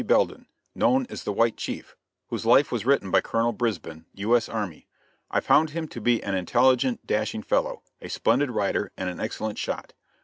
Belden, known as the "White Chief," whose life was written by Colonel Brisbin, U.S. army. I found him to be an intelligent, dashing fellow, a splendid rider and an excellent shot.